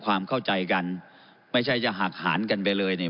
ความเข้าใจกันไม่ใช่จะหักหารกันไปเลยเนี่ย